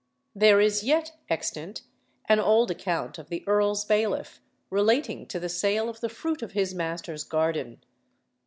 There is yet extant an old account of the earl's bailiff, relating to the sale of the fruit of his master's garden.